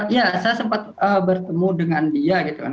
ya saya sempat bertemu dengan dia gitu kan